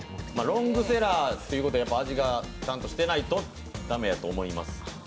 ロングセラーということは味がちゃんとしてないと駄目やと思います。